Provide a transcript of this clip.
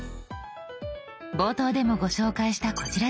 冒頭でもご紹介したこちらです。